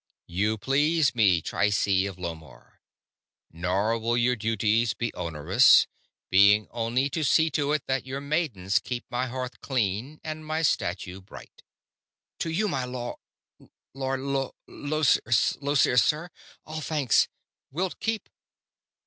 "You please me, Trycie of Lomarr. Nor will your duties be onerous; being only to see to it that your maidens keep my hearth clean and my statue bright." "To you, my Lord Llo Llosir, sir, all thanks. Wilt keep...."